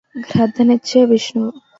గ్రద్దనెక్కె Vishnu